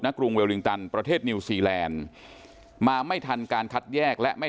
กรุงเวลลิงตันประเทศนิวซีแลนด์มาไม่ทันการคัดแยกและไม่